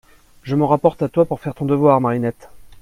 Je m’en rapporte à toi pour faire ton devoir, Marinette…